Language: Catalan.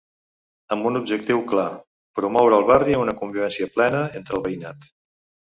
Amb un objectiu clar: promoure al barri una convivència plena entre el veïnat.